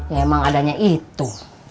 ya emang adanya itu